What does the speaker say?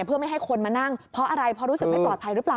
เพื่อไม่ให้คนมานั่งเพราะอะไรเพราะรู้สึกไม่ปลอดภัยหรือเปล่า